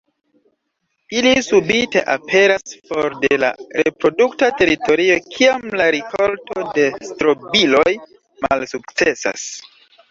Ili subite aperas for de la reprodukta teritorio kiam la rikolto de strobiloj malsukcesas.